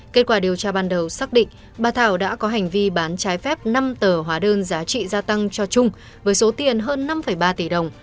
kết quả điều tra ban đầu xác định bà thảo đã có hành vi bán trái phép năm tờ hóa đơn giá trị gia tăng cho trung với số tiền hơn năm ba tỷ đồng